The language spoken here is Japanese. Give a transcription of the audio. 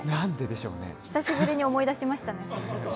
久しぶりに思い出しましたね。